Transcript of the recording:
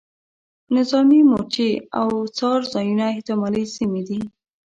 نظامي مورچې او څار ځایونه احتمالي سیمې دي.